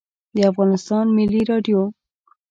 د افغانستان ملی رادیو